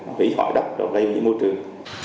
nó hủy hỏi đất nó gây vô dị môi trường